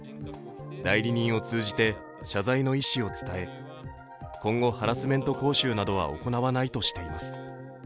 代理人を通じて、謝罪の意思を伝え今後、ハラスメント講習などは行わないとしています。